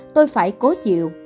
tôi phải cố chịu